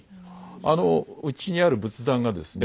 あのうちにある仏壇がですね